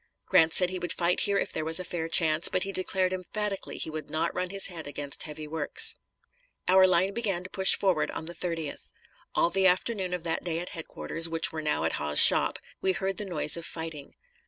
Grant said he would fight here if there was a fair chance, but he declared emphatically he would not run his head against heavy works. Our line began to push forward on the 30th. All the afternoon of that day at headquarters, which were now at Hawes's Shop, we heard the noise of fighting.